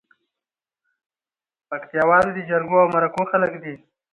پکتياوال دي جرګو او مرکو خلک دي